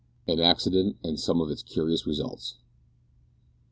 AN ACCIDENT AND SOME OF ITS CURIOUS RESULTS.